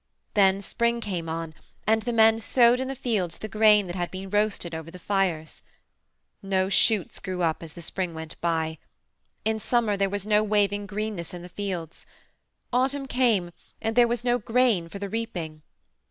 Then spring came on, and the men sowed in the fields the grain that had been roasted over the fires. No shoots grew up as the spring went by. In summer there was no waving greenness in the fields. Autumn came, and there was no grain for the reaping.